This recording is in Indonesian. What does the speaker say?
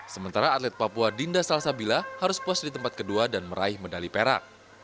sementara atlet papua dinda salsabila harus puas di tempat kedua dan meraih medali perak